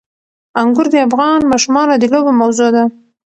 انګور د افغان ماشومانو د لوبو موضوع ده.